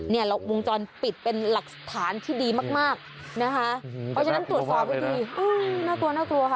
วงจรปิดเป็นหลักฐานที่ดีมากมากนะคะเพราะฉะนั้นตรวจสอบให้ดีน่ากลัวน่ากลัวค่ะ